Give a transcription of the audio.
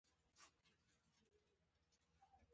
سهار د ګل پاڼو موسکا ده.